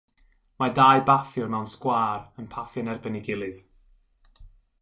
Mae dau baffiwr mewn sgwâr yn paffio yn erbyn ei gilydd.